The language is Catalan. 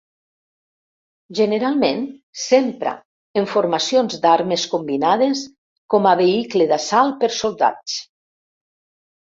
Generalment s'empra en formacions d'armes combinades com a vehicle d'assalt pels soldats.